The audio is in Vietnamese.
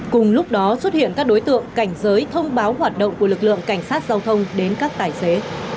cùng lúc đó xuất hiện các đối tượng cảnh giới thông báo hoạt động của lực lượng cảnh sát giao thông đến các tài xế